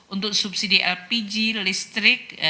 untuk subsidi lpg listrik